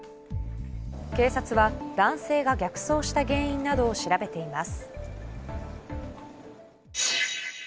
警察は、男性が逆走した原因などを調べています。